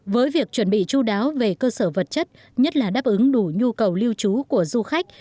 với việc chuẩn bị chú đáo về cơ sở vật chất nhất là đáp ứng đủ nhu cầu lưu trú của du khách